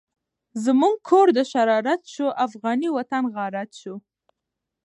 زمونږ کور دشرارت شو، افغانی وطن غارت شو